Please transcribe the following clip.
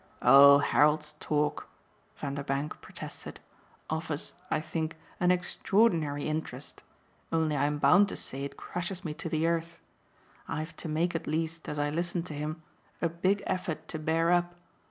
"Oh Harold's talk," Vanderbank protested, "offers, I think, an extraordinary interest; only I'm bound to say it crushes me to the earth. I've to make at least, as I listen to him, a big effort to bear up.